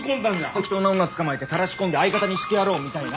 適当な女捕まえてたらし込んで相方にしてやろうみたいな？